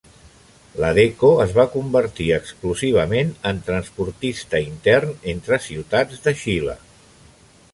Ladeco es va convertir exclusivament en transportista intern entre ciutats de Xile.